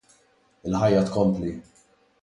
Il-ħajja tkompli.